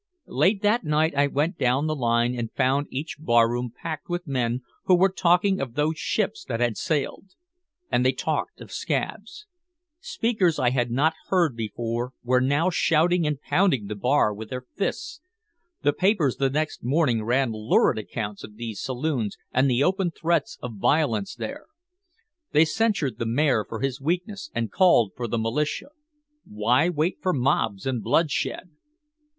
Late that night I went down the line and found each barroom packed with men who were talking of those ships that had sailed. And they talked of "scabs." Speakers I had not heard before were now shouting and pounding the bar with their fists. The papers the next morning ran lurid accounts of these saloons and the open threats of violence there. They censured the mayor for his weakness and called for the militia. Why wait for mobs and bloodshed?